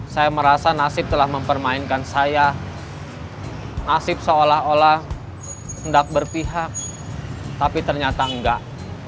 saya merasa nasib telah mempermainkan saya nasib seolah olah tidak berpihak tapi ternyata enggak